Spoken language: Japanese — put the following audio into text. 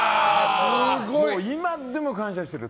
今でも感謝してる。